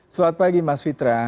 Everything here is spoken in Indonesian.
selamat pagi mas fitra